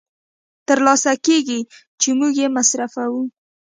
تر لاسه کېږي چې موږ یې مصرفوو